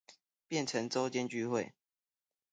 變成週間聚會